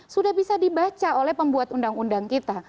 sudah bisa dibaca oleh pembuat undang undang kita